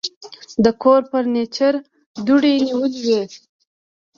د کور فرنيچر دوړې نیولې وې.